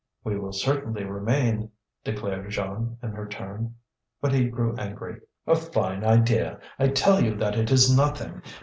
"We will certainly remain," declared Jeanne, in her turn. But he grew angry. "A fine idea! I tell you that it is nothing.